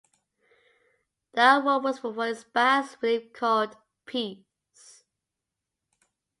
The award was for his bas relief called "Peace".